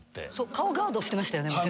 顔ガードしてましたよね。